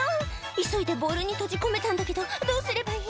「急いでボウルに閉じ込めたんだけどどうすればいい？」